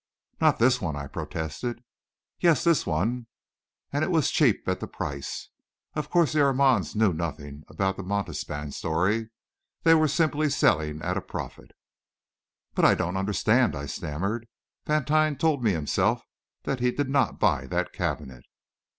"Not this one!" I protested. "Yes; this one. And it was cheap at the price. Of course, the Armands knew nothing about the Montespan story they were simply selling at a profit." "But I don't understand!" I stammered. "Vantine told me himself that he did not buy that cabinet."